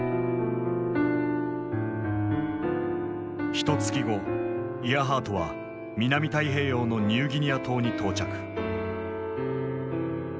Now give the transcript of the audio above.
ひとつき後イアハートは南太平洋のニューギニア島に到着。